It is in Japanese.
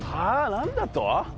何だと？